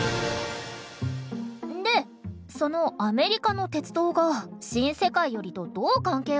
でそのアメリカの鉄道が「新世界より」とどう関係があるの？